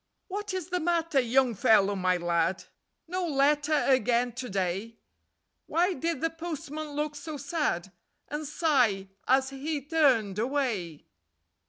..... "What is the matter, Young Fellow My Lad? No letter again to day. Why did the postman look so sad, And sigh as he turned away?